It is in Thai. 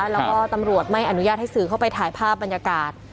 แล้วก็ตำรวจไม่อนุญาตให้สื่อเข้าไปถ่ายภาพบรรยากาศ